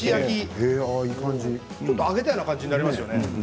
ちょっと揚げたような感じになりますよね。